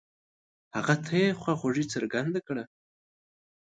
هغه ته يې خواخوږي څرګنده کړه.